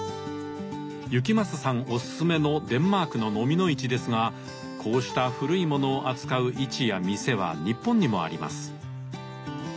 行正さんおすすめのデンマークの蚤の市ですがこうした古い物を扱う市や店は日本にもあります。